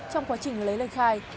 trong quá trình lấy lời khai